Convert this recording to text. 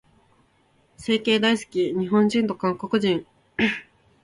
整形大好き、日本人と韓国人。